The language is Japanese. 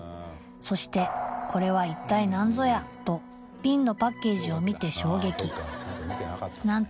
そしてこれは一体何ぞや？と瓶のパッケージを見て衝撃なんと